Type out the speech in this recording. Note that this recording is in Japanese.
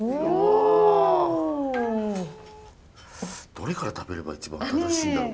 どれから食べれば一番正しいんだろう